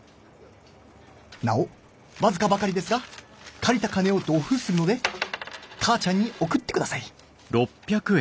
なおわずかばかりですが、借りた金を同ふうするので、母ちゃんに送ってください」。